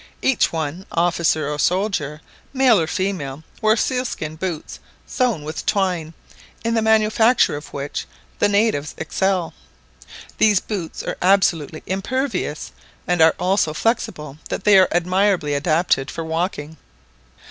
Each one, officer or soldier, male or female, wore seal skin boots sewn with twine, in the manufacture of which the natives excel. These boots are absolutely impervious, and are so flexible that they are admirably adapted for walking.